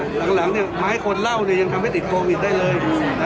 บอกกันหลังไม่ผิดลืมยังทำให้ติดโครงยังได้เลย